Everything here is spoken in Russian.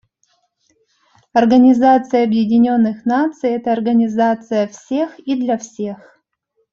Организация Объединенных Наций — это организация всех и для всех.